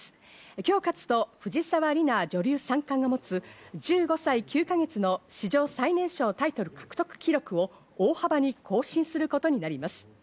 今日勝つと、藤沢里菜女流三段が持つ１５歳９ヶ月の史上最年少タイトル獲得記録を大幅に更新することになります。